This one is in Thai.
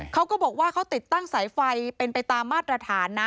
เขาก็บอกว่าเขาติดตั้งสายไฟเป็นไปตามมาตรฐานนะ